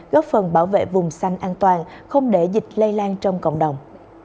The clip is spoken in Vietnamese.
góp phần bảo vệ vùng xanh an toàn không để dịch lây lan trong cộng đồng